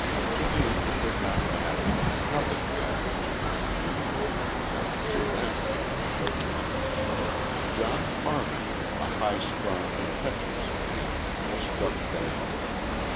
To me it did not matter nothing matters to one doomed. To them it was shipwreck. John Farnham, a high strung, impetuous man, was struck down.